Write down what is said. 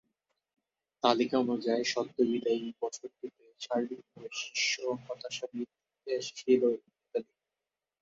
তালিকা অনুযায়ী, সদ্য বিদায়ী বছরটিতে সার্বিকভাবে শীর্ষ হতাশাবাদী দেশ ছিল ইতালি।